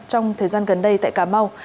trong thời gian gần đây tại cà mau